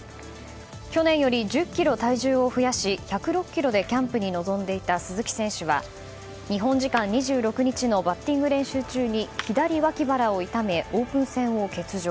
去年より１０ｋｇ体重を増やし１０６ｋｇでキャンプに臨んでいた鈴木選手は日本時間２６日のバッティング練習中に左わき腹を痛めオープン戦を欠場。